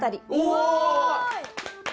お！